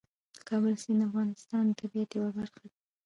د کابل سیند د افغانستان د طبیعت یوه برخه ده.